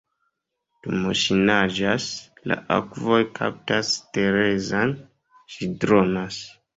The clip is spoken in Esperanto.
Dum ŝi naĝas, la akvoj kaptas Terezan, ŝi dronas.